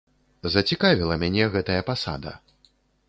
Зацікавіла мяне гэтая пасада.